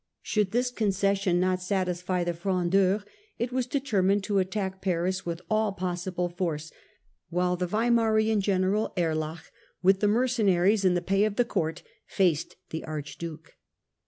Should this concession not satisfy the Frondeurs, it was deter mined to attack Paris with all possible force, while the Weimarian general Erlach with the mercenaries in thfe pay of the court faced the Archduke.